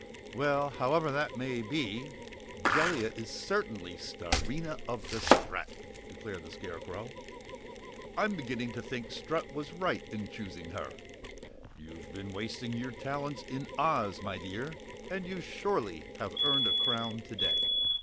"Well, however that may be, Jellia is certainly Starina of the Strat!" declared the Scarecrow. "I'm beginning to think Strut was right in choosing her! You've been wasting your talents in Oz, my dear, and you surely have earned a crown today!"